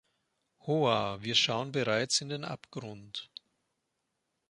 Hoar: „Wir schauen bereits in den Abgrund“.